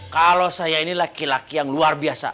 kalau saya ini laki laki yang luar biasa